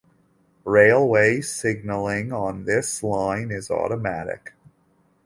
Railway signalling on this line is automatic.